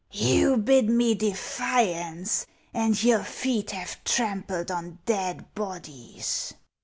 " You bid me defiance, and your feet have trampled on dead bodies